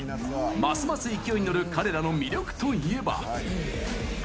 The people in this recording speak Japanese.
ますます勢いに乗る彼らの魅力といえば。